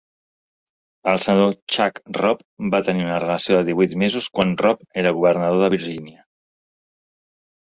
El senador Chuck Robb va tenir una relació de divuit mesos quan Robb era governador de Virgínia.